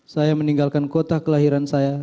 saya meninggalkan kota kelahiran saya